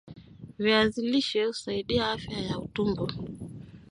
viazi lishe husaidia afya ya utumbo